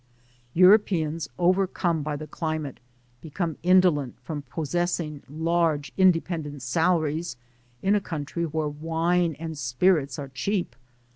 Europeans, overcome by the climate, become indolent from possessing large independent salaries in a country where wine and spirits are cheap.